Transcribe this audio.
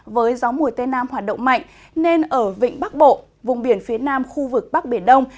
với gió mùa tây nam hoạt động mạnh nên ở vịnh bắc bộ vùng biển phía nam khu vực bắc biển đông